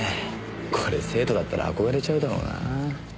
これ生徒だったら憧れちゃうだろうなぁ。